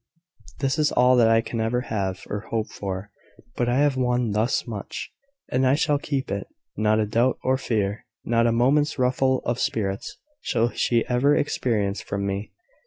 This is all that I can ever have or hope for; but I have won thus much; and I shall keep it. Not a doubt or fear, not a moment's ruffle of spirits, shall she ever experience from me.